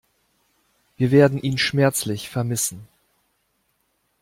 Wir werden ihn schmerzlich vermissen.